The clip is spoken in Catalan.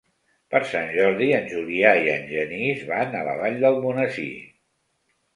Per Sant Jordi en Julià i en Genís van a la Vall d'Almonesir.